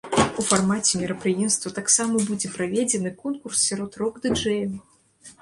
У фармаце мерапрыемства таксама будзе праведзены конкурс сярод рок-дыджэяў.